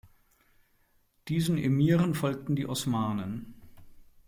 Diesen „Emiren“ folgten die Osmanen.